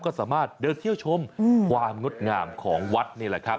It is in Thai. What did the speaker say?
ก็สามารถเดินเที่ยวชมความงดงามของวัดนี่แหละครับ